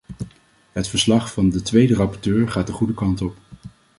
Het verslag van de twee rapporteurs gaat de goede kant op.